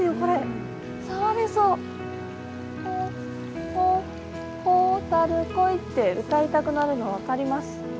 ほほほたるこいって歌いたくなるの分かります。